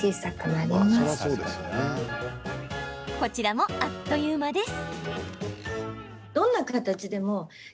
こちらもあっという間です。